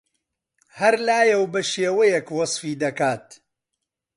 هەر لایەو بەشێوەیەک وەسفی دەکات